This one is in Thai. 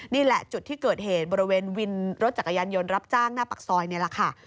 นี่แหละจุดที่เกิดเหตุบริเวณวินรถจักรยานยนต์รับจ้างหน้าปากซอยนี่แหละค่ะ